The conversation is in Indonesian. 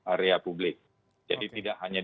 area publik jadi tidak hanya